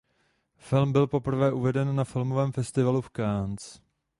Film byl poprvé uveden na Filmovém festivalu v Cannes.